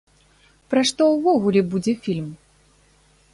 Пра што ўвогуле будзе фільм?